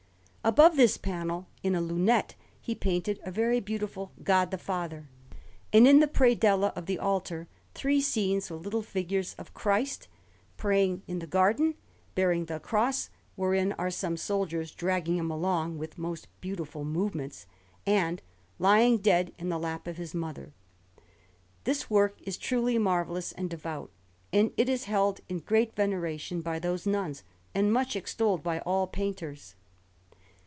Above this panel, in a lunette, he painted a very beautiful God the Father, and in the predella of the altar three scenes with little figures, of Christ praying in the Garden, bearing the Cross (wherein are some soldiers dragging Him along with most beautiful movements), and lying dead in the lap of His Mother. This work is truly marvellous and devout; and it is held in great veneration by those nuns, and much extolled by all painters.